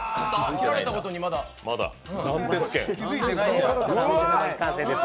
切られたことにまだ気づいてない。